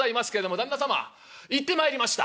「旦那様行ってまいりました」。